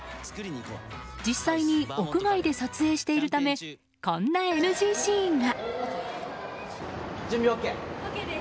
実際に屋外で撮影しているためこんなＮＧシーンが。